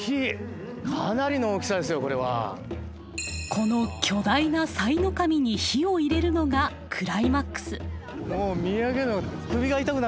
この巨大なさいの神に火を入れるのがクライマックス。